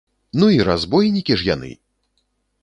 Ну і разбойнікі ж яны!